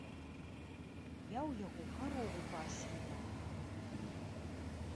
Я ў яго каровы пасвіла.